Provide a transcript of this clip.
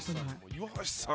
岩橋さん